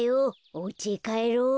おうちへかえろう。